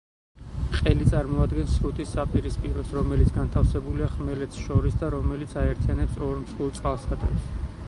ყელი წარმოადგენს სრუტის საპირისპიროს, რომელიც განთავსებულია ხმელეთს შორის და რომელიც აერთიანებს ორ მსხვილ წყალსატევს.